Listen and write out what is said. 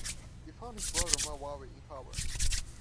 He found his brother Mawewe in power.